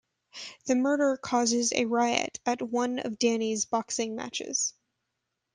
The murder causes a riot at one of Danny's boxing matches.